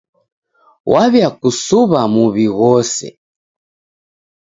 Waw'iakusuw'a muw'i ghose.